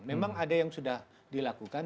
memang ada yang sudah dilakukan